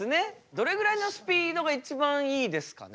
どれぐらいのスピードが一番いいですかね？